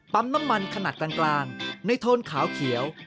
น้ำมันขนาดกลางในโทนขาวเขียว